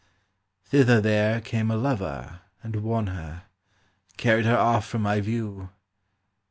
"Thither there came a lover and won her, Carried her off from my view.